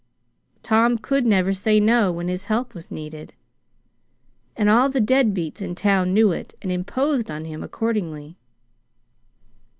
Tom could never say no when his help was needed, and all the dead beats in town knew it and imposed on him accordingly.